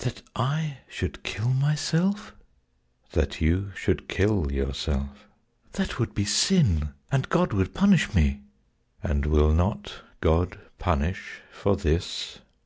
"That I should kill myself?"— "That you should kill yourself."—"That would be sin, And God would punish me!"—"And will not God Punish for this?"